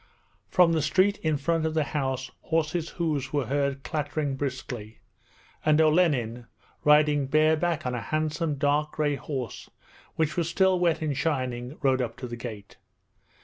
From the street in front of the house horses' hoofs were heard clattering briskly, and Olenin, riding bareback on a handsome dark grey horse which was still wet and shining, rode up to the gate.